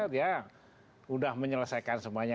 dia udah menyelesaikan semuanya